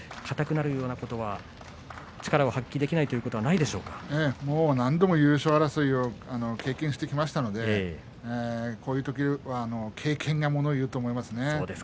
硬くなるようなことは力を発揮できないいうことは何度も優勝争いを経験してきましたのでこういう時は経験が物を言うと思います。